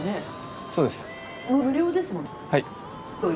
はい。